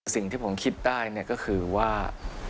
สิ่งที่ผมคิดได้ก็คือว่า